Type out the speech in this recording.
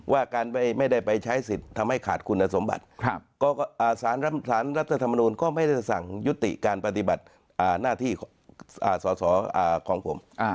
ว่าการไม่ได้ไปใช้สิทธิ์ทำให้ขาดคุณสมบัติสารรัฐธรรมนูลก็ไม่ได้สั่งยุติการปฏิบัติหน้าที่ของสอสอของผม